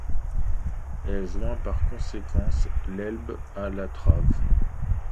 Elle joint par conséquent l'Elbe à la Trave.